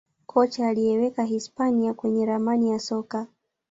Kocha aliyeiweka hispania kwenye ramani ya soka